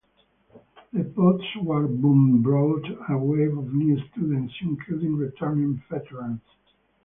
The postwar boom brought a wave of new students, including returning veterans.